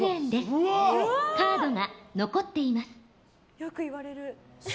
よく言われる。